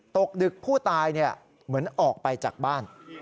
ตกดึกผู้ตายเหมือนออกไปจากบ้าน